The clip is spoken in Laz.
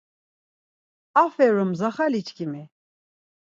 Aferum mzaxaliçkimi.